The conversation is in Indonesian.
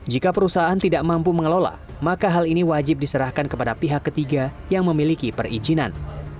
jika perusahaan tidak mampu mengelola maka hal ini wajib diserahkan kepada pihak ketiga yang memiliki perizinan